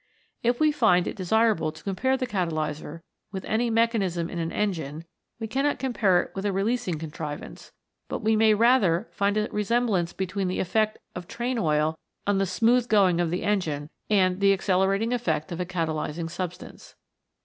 If we find it desirable to compare the catalyser with any mechanism in an engine, we cannot compare it with a releasing contrivance, but we may rather find a resemblance between the effect of train oil on the smooth going of the engine and the accelerating effect of a catalysing substance.